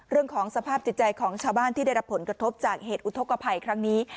เรื่องของสภาพจิตใจของชาวบ้านที่ได้รับผลกระทบจากเหตุอุทธกภัยครั้งนี้